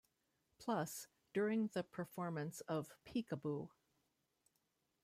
Plus, during the performance of Peek-a-Boo!